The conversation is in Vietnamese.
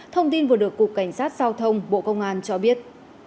thông tin vừa được cục cảnh sát giao thông bộ công an cho biết